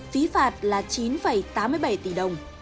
phí phạt là chín tám mươi bảy tỷ đồng